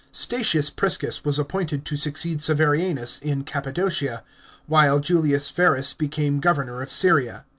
Statius Prisons was appointed to succeed Severianus in Cappadocia, while Julius Verus became governor of Syria.